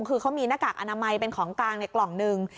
คือเขามีหน้ากากอนามัยเป็นของกลางในกล่องหนึ่ง